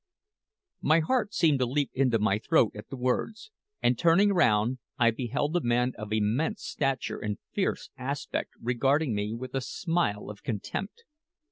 My heart seemed to leap into my throat at the words; and turning round, I beheld a man of immense stature and fierce aspect regarding me with a smile of contempt.